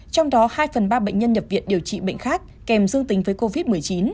trong đó hai phần ba bệnh nhân nhập viện điều trị bệnh khác kèm dương tính với covid một mươi chín